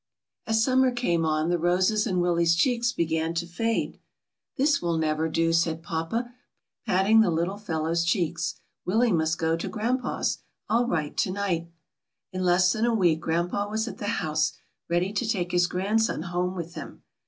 As summer came on the roses in Willie^s cheeks began to fade. ^This will never do/^ said papa, patting the little fellow's cheeks. ^Willie must go to grandpa's. I'll write tonight." In less than a week grandpa was at the house, ready to take his grandson home with him.